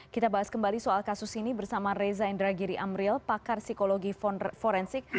kita bahas kembali soal kasus ini bersama reza indragiri amril pakar psikologi forensik